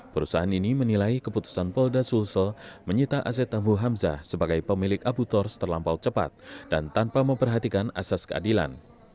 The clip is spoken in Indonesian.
perusahaan ini menilai keputusan polda sulsel menyita aset tambu hamzah sebagai pemilik abu tors terlampau cepat dan tanpa memperhatikan asas keadilan